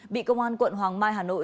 bị công an quận hoàng mai hà nội